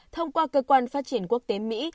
thông qua cơ quan phát triển quốc tế mỹ